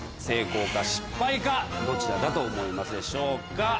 成功か失敗かどちらだと思いますでしょうか？